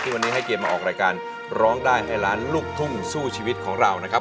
วันนี้ให้เกียรติมาออกรายการร้องได้ให้ล้านลูกทุ่งสู้ชีวิตของเรานะครับ